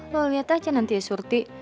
lo liat aja nanti ya surti